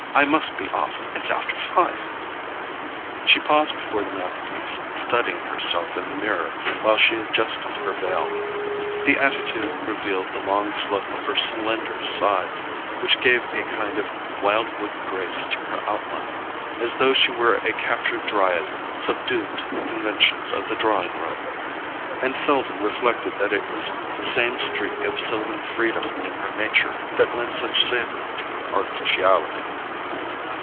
I must be off. It's after five." She paused before the mantelpiece, studying herself in the mirror while she adjusted her veil. The attitude revealed the long slope of her slender sides, which gave a kind of wild wood grace to her outline—as though she were a captured dryad subdued to the conventions of the drawing room; and Selden reflected that it was the same streak of sylvan freedom in her nature that lent such savour to her artificiality.